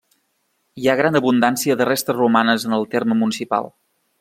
Hi ha gran abundància de restes romanes en el terme municipal.